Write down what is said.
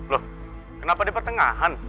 loh kenapa di pertengahan